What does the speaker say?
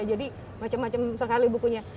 jadi macam macam sekali bukunya